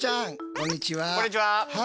こんにちは。